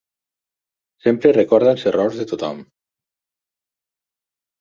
Sempre recorda els errors de tothom.